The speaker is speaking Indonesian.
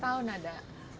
empat puluh tahun ada